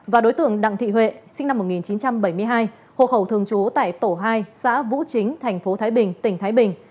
và đối tượng đặng thị huệ sinh năm một nghìn chín trăm bảy mươi hai hộ khẩu thường trú tại tổ hai xã vũ chính tp thái bình tỉnh thái bình